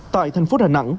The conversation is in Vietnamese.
tại thành phố đà nẵng